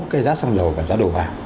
cái giá xăng dầu và giá đồ vào